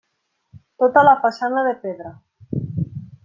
Tota la façana de pedra.